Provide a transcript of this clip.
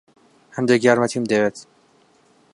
هەندێک یارمەتیم دەوێت.